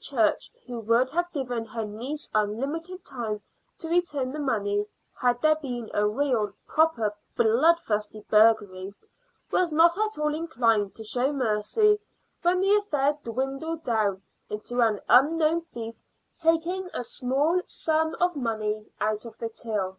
Church, who would have given her niece unlimited time to return the money had there been a real, proper, bloodthirsty burglary, was not at all inclined to show mercy when the affair dwindled down into an unknown thief taking a small sum of money out of the till.